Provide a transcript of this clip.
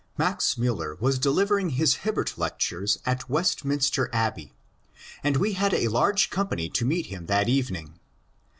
Max Miiller was delivering his Hibbert Lectures at West minster Abbey, and we had a large company to meet him that evening.